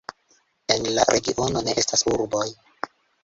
En la regiono ne estas urboj.